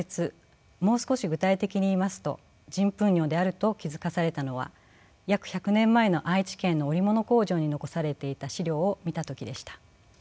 もう少し具体的に言いますと人糞尿であると気付かされたのは約１００年前の愛知県の織物工場に残されていた史料を見た時でした。